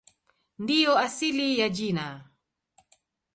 Ndiyo asili ya jina.